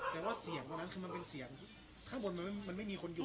แต่ว่าเสียงตรงนั้นคือมันเป็นเสียงข้างบนมันไม่มีคนอยู่